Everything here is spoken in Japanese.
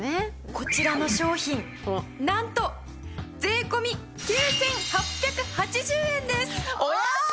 こちらの商品なんと税込９８８０円です！